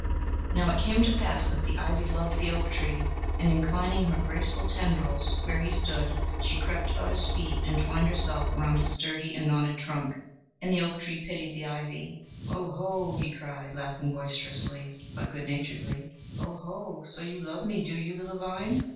Now it came to pass that the ivy loved the oak tree, and inclining her graceful tendrils where he stood, she crept about his feet and twined herself around his sturdy and knotted trunk. And the oak tree pitied the ivy. "Oho!" he cried, laughing boisterously, but good naturedly, "oho! so you love me, do you, little vine?